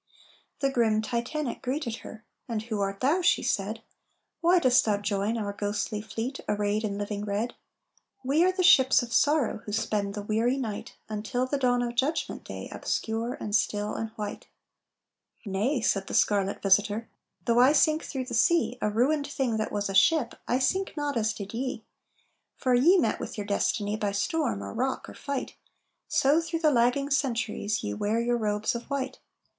The grim Titanic greeted her. "And who art thou?" she said; "Why dost thou join our ghostly fleet Arrayed in living red? We are the ships of sorrow Who spend the weary night, Until the dawn of Judgment Day, Obscure and still and white." "Nay," said the scarlet visitor, "Though I sink through the sea, A ruined thing that was a ship, I sink not as did ye. For ye met with your destiny By storm or rock or fight, So through the lagging centuries Ye wear your robes of white.